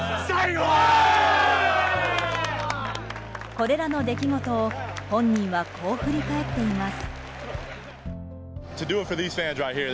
これらの出来事を本人はこう振り返っています。